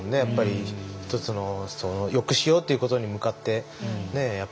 やっぱり１つのそのよくしようということに向かってねえ